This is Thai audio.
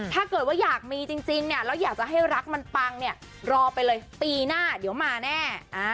ถ้าเกิดว่าอยากมีจริงเนี่ยแล้วอยากจะให้รักมันปังเนี่ยรอไปเลยปีหน้าเดี๋ยวมาแน่